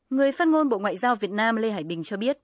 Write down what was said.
người phát ngôn bộ ngoại giao việt nam lê hải bình cho biết